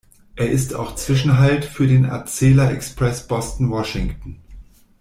Er ist auch Zwischenhalt für den Acela Express Boston–Washington.